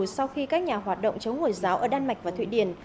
sau khi các nhà hoạt động chống hồi giáo ở đan mạch và thụy điển